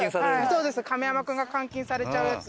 そうです亀山くんが監禁されちゃうやつ。